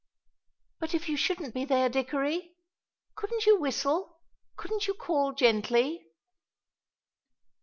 "But if you shouldn't be there, Dickory? Couldn't you whistle, couldn't you call gently?"